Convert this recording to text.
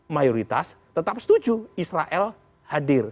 mayoritas tetap setuju israel hadir